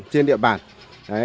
của các bộ phòng